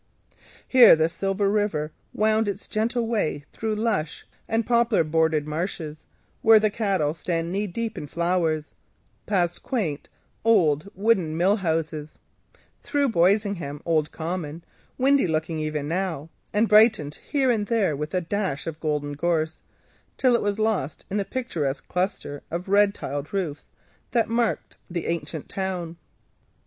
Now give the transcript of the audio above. Here the silver river wound its gentle way through lush and poplar bordered marshes, where the cattle stand knee deep in flowers; past quaint wooden mill houses, through Boisingham Old Common, windy looking even now, and brightened here and there with a dash of golden gorse, till it was lost beneath the picturesque cluster of red tiled roofs that marked the ancient town.